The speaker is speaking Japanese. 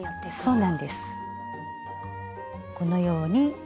そうなんです。